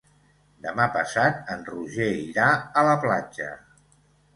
Demà passat en Roger irà a la platja.